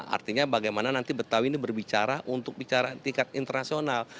artinya bagaimana nanti betawi ini berbicara untuk bicara tingkat internasional